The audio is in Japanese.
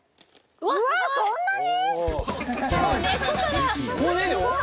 うわそんなに？